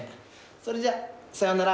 それじゃさよなら。